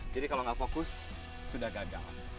jadi kalau tidak fokus sudah gagal